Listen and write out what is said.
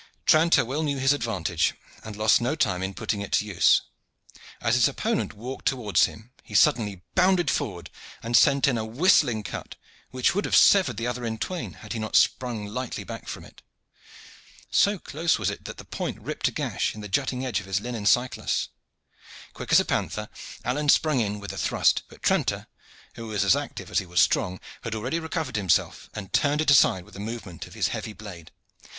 Tranter well knew his advantage and lost no time in putting it to use. As his opponent walked towards him he suddenly bounded forward and sent in a whistling cut which would have severed the other in twain had he not sprung lightly back from it. So close was it that the point ripped a gash in the jutting edge of his linen cyclas. Quick as a panther, Alleyne sprang in with a thrust, but Tranter, who was as active as he was strong, had already recovered himself and turned it aside with a movement of his heavy blade.